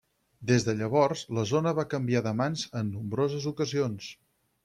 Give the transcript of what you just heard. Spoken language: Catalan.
Des de llavors, la zona va canviar de mans en nombroses ocasions.